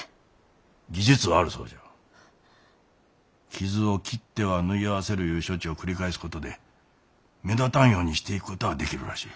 傷を切っては縫い合わせるいう処置を繰り返すことで目立たんようにしていくこたあできるらしい。